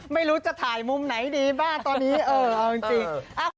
ไม่รู้จะถ่ายมุมไหนดีบ้างตอนนี้เออเอาจริง